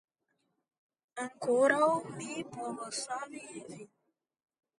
Ankoraŭ mi povas savi vin.